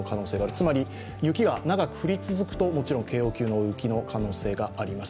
つまり、雪が長く降り続くと、警報級の大雪の可能性があります。